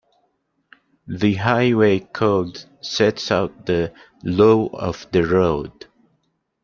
The Highway Code sets out the law of the road.